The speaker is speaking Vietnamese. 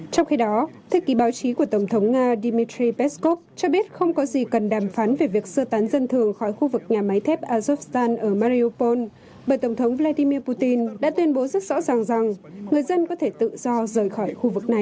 trong khi đó thư ký báo chí của tổng thống nga dmitry peskov cho biết không có gì cần đàm phán về việc sơ tán dân thường khỏi khu vực nhà máy thép azokstan ở mariopol bởi tổng thống vladimir putin đã tuyên bố rất rõ ràng rằng người dân có thể tự do rời khỏi khu vực này